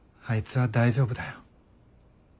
あいつは大丈夫だよ。